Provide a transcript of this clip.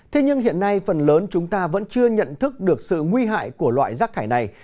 thế nhưng hiện nay phần lớn chúng ta vẫn chưa nhận thức được sự nguy hại của loại rác thải này